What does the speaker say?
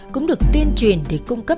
cũng được tuyên truyền để cung cấp